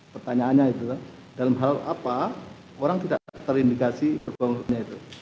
pertanyaannya itu dalam hal apa orang tidak terindikasi berbohong